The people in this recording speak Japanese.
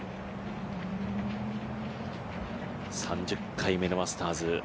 ３０回目のマスターズ。